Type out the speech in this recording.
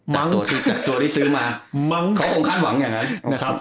จากตัวที่ซื้อมาเขาคงคาดหวังอย่างนั้นนะครับ